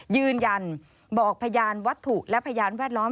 ยืนยันบอกพยานวัตถุและพยานแวดล้อม